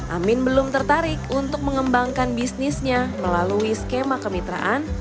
amin belum tertarik untuk mengembangkan bisnisnya melalui skema kemitraan